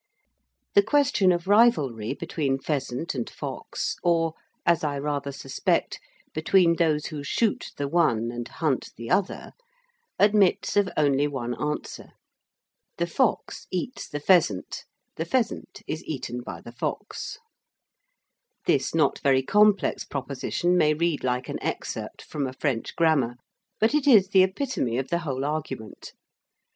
The question of rivalry between pheasant and fox, or (as I rather suspect) between those who shoot the one and hunt the other, admits of only one answer. The fox eats the pheasant; the pheasant is eaten by the fox. This not very complex proposition may read like an excerpt from a French grammar, but it is the epitome of the whole argument.